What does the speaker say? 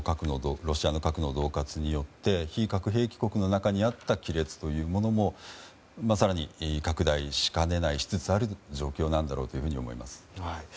ロシアの核の恫喝によって非核兵器国の中にあった亀裂というものも今、更に拡大しつつある状況にあるんだろうと思います。